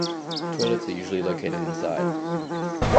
Toilets are usually located inside.